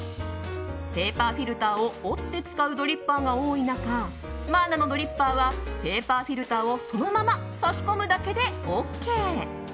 ペーパーフィルターを折って使うドリッパーが多い中マーナのドリッパーはペーパーフィルターをそのまま差し込むだけでＯＫ。